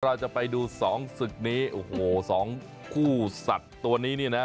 เราจะไปดูสองศึกนี้โอ้โหสองคู่สัตว์ตัวนี้นี่นะ